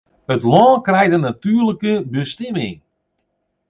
It lân krijt in natuerlike bestimming.